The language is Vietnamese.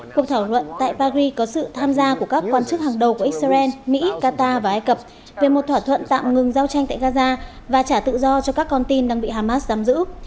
cuộc thảo luận tại paris có sự tham gia của các quan chức hàng đầu của israel mỹ qatar và ai cập về một thỏa thuận tạm ngừng giao tranh tại gaza và trả tự do cho các con tin đang bị hamas giam giữ